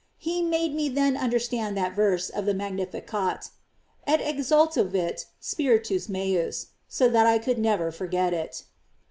He made me then understand that verse of the Magnificat, "Et exultavit spiritus mens," so that I can never forget it.